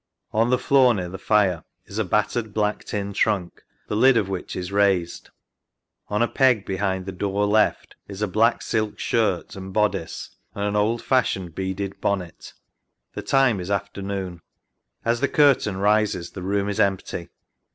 On the floor, near the fire, is a battered black tin trunk, the lid of which is raised. On a peg behind the door left is a black silk skirt and bodice and an old fashioned beaded bonnet. The time is afternoon. As the curtain rises the room is empty.